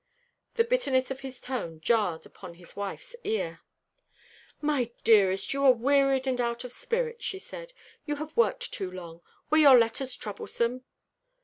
The bitterness of his tone jarred upon his wife's ear. "My dearest, you are wearied and out of spirits," she said. "You have worked too long. Were your letters troublesome?"